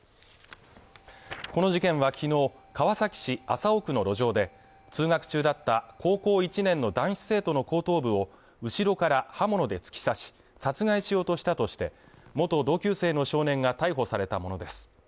この事件は昨日川崎市麻生区の路上で通学中だった高校１年の男子生徒の後頭部を後ろから刃物で突き刺し殺害しようとしたとして元同級生の少年が逮捕されたものです